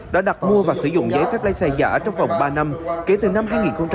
đã đặt mua và sử dụng giấy phép lái xe giả trong vòng ba năm kể từ năm hai nghìn một mươi